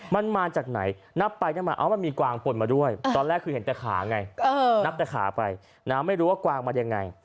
มันมาจากไหนนับไปนับมามันมีกวางปนมาด้วยตอนแรกคือเห็นแต่ขาไงนับแต่ขาไปนะไม่รู้ว่ากวางมายังไง